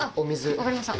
分かりました。